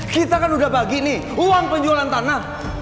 kita kan udah bagi nih uang penjualan tanah